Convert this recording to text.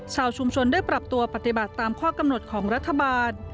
ชาวชุมชนได้ปรับตัวปฏิบัติตามข้อกำหนดของรัฐบาล